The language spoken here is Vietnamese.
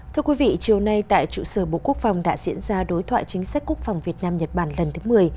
thưa quý vị chiều nay tại trụ sở bộ quốc phòng đã diễn ra đối thoại chính sách quốc phòng việt nam nhật bản lần thứ một mươi